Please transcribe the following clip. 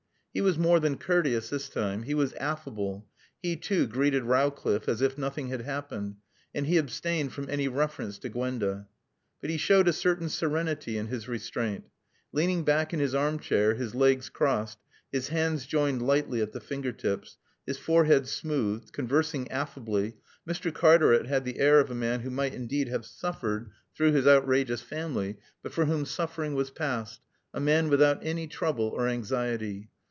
He was more than courteous this time. He was affable. He too greeted Rowcliffe as if nothing had happened, and he abstained from any reference to Gwenda. But he showed a certain serenity in his restraint. Leaning back in his armchair, his legs crossed, his hands joined lightly at the finger tips, his forehead smoothed, conversing affably, Mr. Cartaret had the air of a man who might indeed have suffered through his outrageous family, but for whom suffering was passed, a man without any trouble or anxiety.